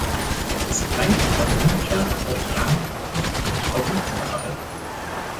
Es bleibt aber unklar ob damit Pflichten verbunden waren.